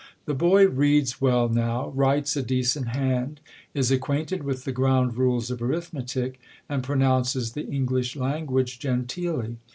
The boy reads well now; writes a decent hand; is acquainted with the ground rules of arithmetic, and pronounces the English language genteelly.